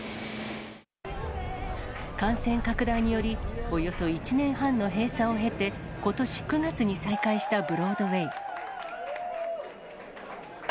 感染拡大により、およそ１年半の閉鎖を経て、ことし９月に再開したブロードウェイ。